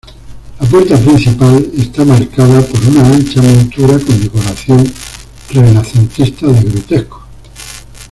La puerta principal está marcada por una ancha montura con decoración renacentista de grutescos.